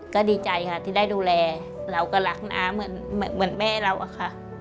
ก็ดีใจค่ะที่ได้ดูแลเราก็รักน้าเหมือนแม่เราอะค่ะ